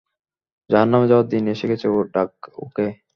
জাহান্নামে যাওয়ার দিন এসে গেছে ওর, ডাক ওকে!